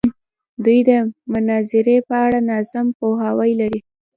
دوی د مناظرې په اړه ناسم پوهاوی لري.